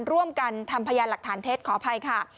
ร่วมกันทำพยานหลักฐานเท็จขออภัยค่ะ